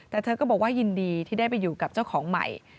แต่เธอก็บอกว่ายินดีที่ได้ไปอยู่กับเจ้าของใหม่